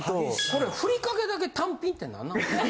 これふりかけだけ単品って何なんですか？